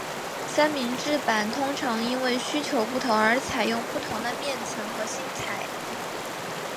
三明治板通常因为需求不同而采用不同的面层和芯材。